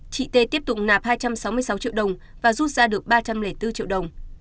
chị t tiếp tục nạp hai trăm sáu mươi sáu triệu đồng và rút ra được ba trăm linh bốn triệu đồng